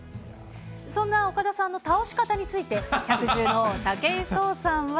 そんな岡田さんの倒し方について、百獣の王、武井壮さんは。